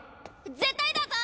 絶対だぞ！